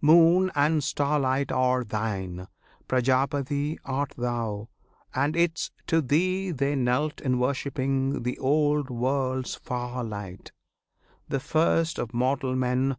Moon and starlight Are Thine! Prajapati Art Thou, and 'tis to Thee They knelt in worshipping the old world's far light, The first of mortal men.